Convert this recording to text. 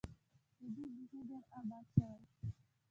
سعودي بیخي ډېر آباد شوی.